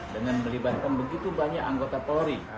dengan melibatkan begitu banyak anggota polri